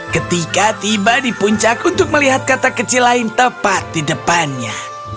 ketika tiba di puncak untuk melihat kata kecil lain tepat di depannya